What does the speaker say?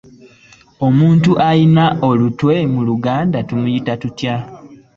Omuntu alina olutwe mu Luganda tumuyita tutya?